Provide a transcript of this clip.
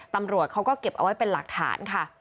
ตำรวจเขาก็เก็บเอาไว้เป็นหลักฐานค่ะ